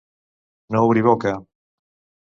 No obrir boca.